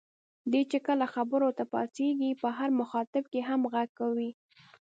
دی چې کله خبرو ته پاڅېږي په هر مخاطب هم غږ کوي.